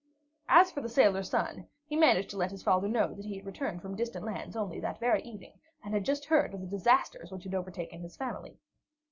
As for the sailor son, he managed to let his father know that he had returned from distant lands only that very evening, and had just heard of the disasters which had overtaken his family.